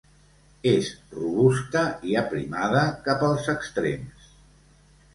És robusta i aprimada cap als extrems.